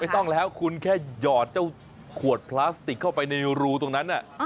ต้องแล้วคุณแค่หยอดเจ้าขวดพลาสติกเข้าไปในรูตรงนั้น